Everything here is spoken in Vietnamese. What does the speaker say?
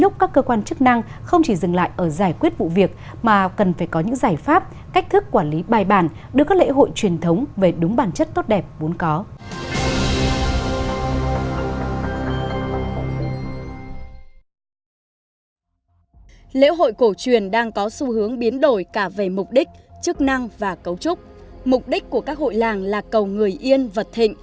cầu người yên vật thịnh